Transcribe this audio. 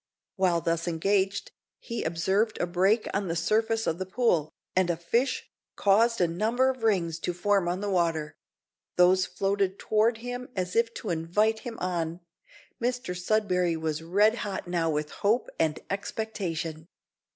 While thus engaged, he observed a break on the surface of the pool, and a fish caused a number of rings to form on the water; those floated toward him as if to invite him on. Mr Sudberry was red hot now with hope and expectation.